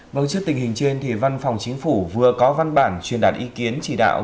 vâng trước tình hình trên thì văn phòng chính phủ vừa có văn bản truyền đạt ý kiến chỉ đạo